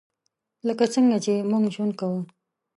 لکه څنګه چې موږ ژوند کوو .